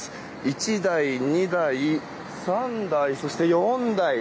１台、２台、３台そして４台。